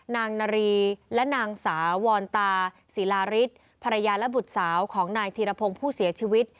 นางนารีและนางสาววรตาศิลาริสภรรยาและบุตรสาวของนายธีรพงศ์ผู้เสียชีวิต